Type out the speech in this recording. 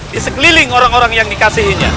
di sekeliling orang orang yang dikasihinya